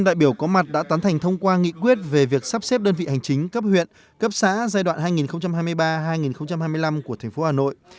một trăm linh đại biểu có mặt đã tán thành thông qua nghị quyết về việc sắp xếp đơn vị hành chính cấp huyện cấp xã giai đoạn hai nghìn hai mươi ba hai nghìn hai mươi năm của tp hà nội